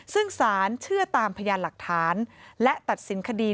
ซึ่งสารเชื่อตามพยานหลักฐานและตัดสินคดี